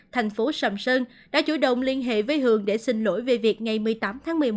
thành phố sầm sơn đã chủ động liên hệ với hường để xin lỗi về việc ngày một mươi tám tháng một mươi một